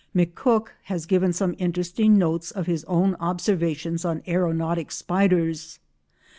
McCook has given some interesting notes of his own observations on aeronautic spiders.